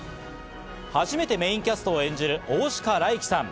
初めてメインキャストを演じる大鹿礼生さん。